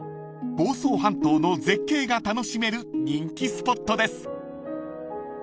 ［房総半島の絶景が楽しめる人気スポットです］